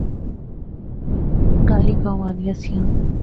گالیں گانونیاں سیاں